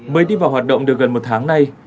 mới đi vào hoạt động được gần một tháng nay